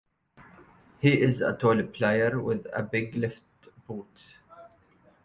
He is a tall player with a big left boot.